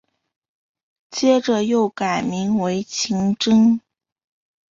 接着又改名为晴贞。